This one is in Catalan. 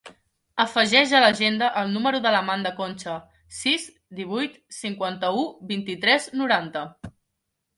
Afegeix a l'agenda el número de l'Amanda Concha: sis, divuit, cinquanta-u, vint-i-tres, noranta.